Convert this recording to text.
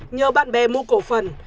nhờ bạn bè mua cổ phần